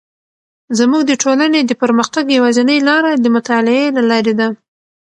زموږ د ټولنې د پرمختګ یوازینی لاره د مطالعې له لارې ده.